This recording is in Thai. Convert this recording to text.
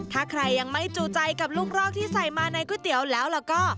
ถ้าใครยังไม่จูใจกับลูกรอกที่ใส่มาในก๋วยเตี๋ยวแล้วแล้วก็